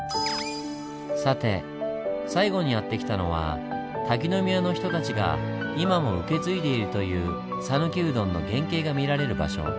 さて最後にやって来たのは滝宮の人たちが今も受け継いでいるというさぬきうどんの原型が見られる場所。